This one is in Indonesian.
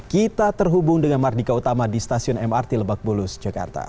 kita terhubung dengan mardika utama di stasiun mrt lebak bulus jakarta